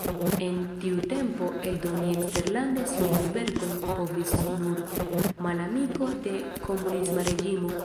En tiu tempo eldoni eksterlande siajn verkojn povis nur "malamiko de komunisma reĝimo".